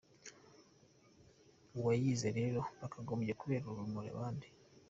Uwayize rero yakagombye kubera urumuri abandi”.